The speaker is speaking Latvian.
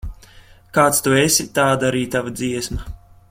Kāds tu esi, tāda arī tava dziesma.